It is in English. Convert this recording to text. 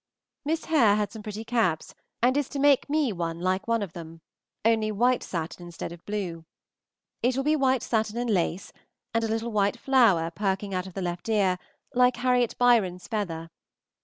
Miss Hare had some pretty caps, and is to make me one like one of them, only white satin instead of blue. It will be white satin and lace, and a little white flower perking out of the left ear, like Harriot Byron's feather.